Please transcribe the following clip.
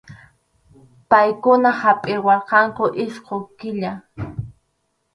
Paykuna hapʼiwarqanku isqun killa.